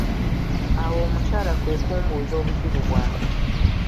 Awo omukyala kwe kumbuuza obuzibu bwange.